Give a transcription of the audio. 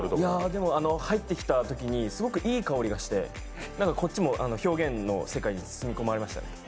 でも入ってきたときに、すごくいい香りがしてこっちも表現の世界に包み込まれましたね。